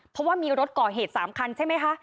เพราะว่ามีรถก่อเหตุ๓คันใช่ไหมคะ